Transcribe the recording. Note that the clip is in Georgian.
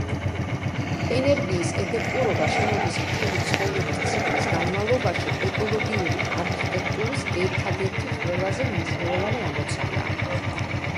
ენერგიის ეფექტურობა შენობის მთელი ცხოვრების ციკლის განმავლობაში ეკოლოგიური არქიტექტურის ერთადერთი ყველაზე მნიშვნელოვანი ამოცანაა.